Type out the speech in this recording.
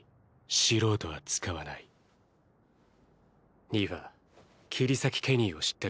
素人は使わないニファ「切り裂きケニー」を知ってるか？